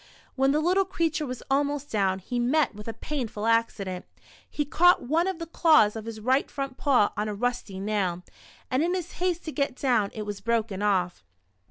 When the little creature was almost down, he met with a painful accident. He caught one of the claws of his right front paw on a rusty nail, and in his haste to get down, it was broken off!